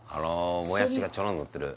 もやしがチョロンのってる